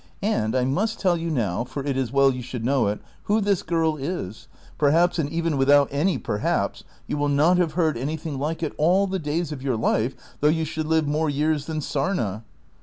And I must tell you now, for it is well you should know it, who this girl is ; per haps, and even without any perhaps, you will not have heard anything like it all the days of your life, though you should live more years than sarna."